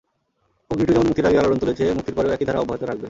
অগ্নি-টু যেমন মুক্তির আগেই আলোড়ন তুলেছে, মুক্তির পরেও একই ধারা অব্যাহত রাখবে।